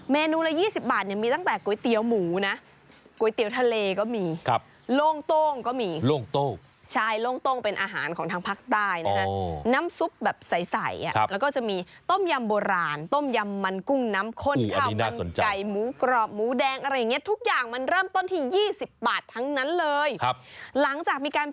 เมนูละ๒๐บาทเนี่ยมีตั้งแต่ก๋วยเตี๋ยวหมูนะก๋วยเตี๋ยวทะเลก็มีครับโล่งโต้งก็มีโล่งโต้งใช่โล่งโต้งเป็นอาหารของทางภาคใต้นะฮะน้ำซุปแบบใสอ่ะแล้วก็จะมีต้มยำโบราณต้มยำมันกุ้งน้ำข้นข้าวมันไก่หมูกรอบหมูแดงอะไรอย่างเงี้ทุกอย่างมันเริ่มต้นที่๒๐บาททั้งนั้นเลยครับหลังจากมีการ